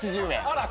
あら。